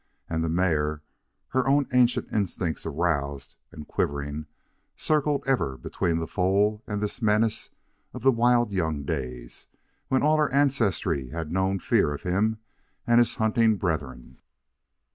And the mare, her own ancient instincts aroused and quivering, circled ever between the foal and this menace of the wild young days when all her ancestry had known fear of him and his hunting brethren.